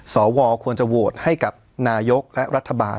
สวควรจะโหวตให้กับนายกและรัฐบาล